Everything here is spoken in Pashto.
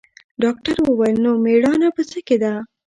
ډاکتر وويل نو مېړانه په څه کښې ده.